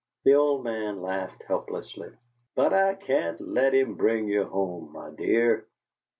The old man laughed helplessly. "But I can't let him bring you home, my dear."